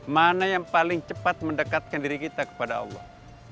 mana yang paling cepat mendekatkan diri kita kepada allah